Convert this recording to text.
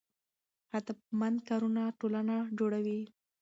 هدفمند کارونه ټولنه جوړوي.